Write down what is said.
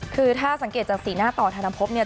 คือถ้าสังเกตจากสีหน้าต่อธนภพเนี่ย